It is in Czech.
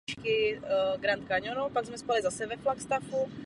Rozvíjela se hlavní centra regionu.